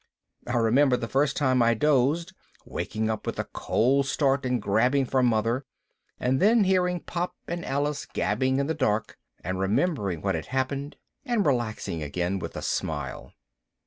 I remember the first time I dozed waking up with a cold start and grabbing for Mother and then hearing Pop and Alice gabbing in the dark, and remembering what had happened, and relaxing again with a smile.